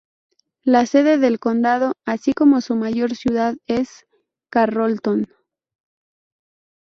La sede del condado, así como su mayor ciudad, es Carrollton.